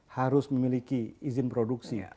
harus memiliki izin produksi